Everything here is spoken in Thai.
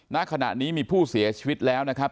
ณขณะนี้มีผู้เสียชีวิตแล้วนะครับ